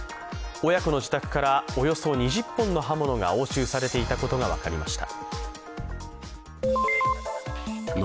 親子の自宅からおよそ２０本の刃物が押収されていたことが分かりました。